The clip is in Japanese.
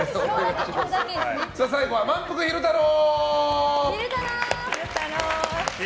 最後は、まんぷく昼太郎！